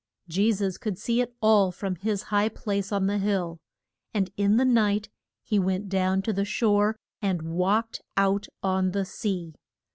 Je sus could see it all from his high place on the hill, and in the night he went down to the shore and walked out on the sea.